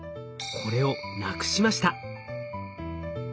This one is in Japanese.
これをなくしました。